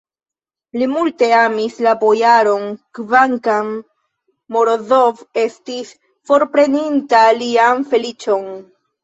Li multe amis la bojaron, kvankam Morozov estis forpreninta lian feliĉon.